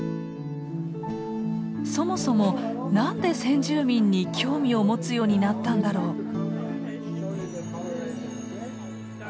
そもそも何で先住民に興味を持つようになったんだろう？